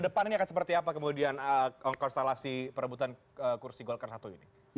bagaimana kemudian konstelasi perebutan kursi golkar satu ini